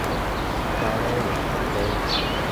咖喱羊腩煲